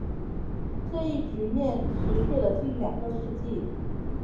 这一局面持续了近两个世纪。